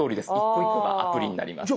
１個１個がアプリになります。